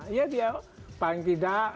iya dia paling tidak